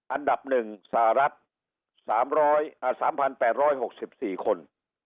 อันดับ๑สหรัฐ๓๘๖๔คน